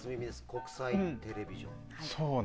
国際テレビジョンという。